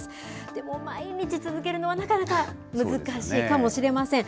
でも毎日続けるのは、なかなか難しいかもしれません。